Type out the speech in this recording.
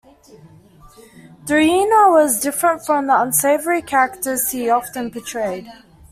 Duryea was different from the unsavory characters he often portrayed.